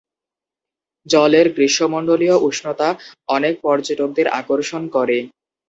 জলের গ্রীষ্মমন্ডলীয় উষ্ণতা অনেক পর্যটকদের আকর্ষণ করে।